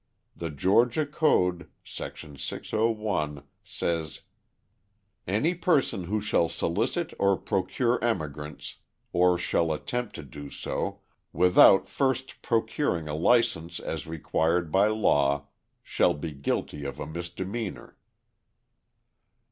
The Georgian code (Section 601) says: Any person who shall solicit or procure emigrants, or shall attempt to do so, without first procuring a licence as required by law, shall be guilty of a misdemeanour.